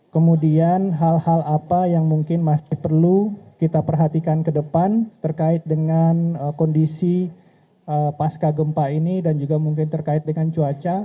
kemudian hal hal apa yang mungkin masih perlu kita perhatikan ke depan terkait dengan kondisi pasca gempa ini dan juga mungkin terkait dengan cuaca